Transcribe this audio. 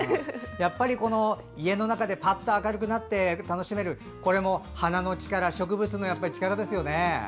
家の中がパッと明るくなって楽しめるこれも花の力、植物の力ですよね。